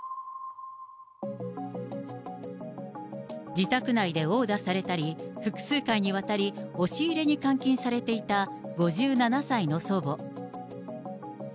自宅内で殴打されたり、複数回にわたり押し入れに監禁されていた５７歳の祖母。